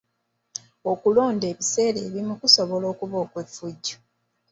Okulonda ebiseera ebimu kusobola okuba okw'effujjo.